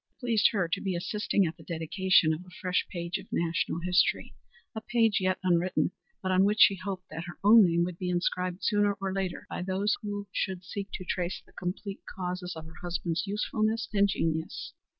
It pleased her to be assisting at the dedication of a fresh page of national history a page yet unwritten, but on which she hoped that her own name would be inscribed sooner or later by those who should seek to trace the complete causes of her husband's usefulness and genius.